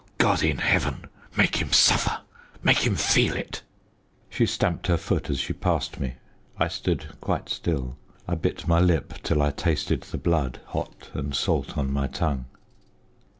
O God in heaven, make him suffer! Make him feel it!" She stamped her foot as she passed me. I stood quite still; I bit my lip till I tasted the blood hot and salt on my tongue.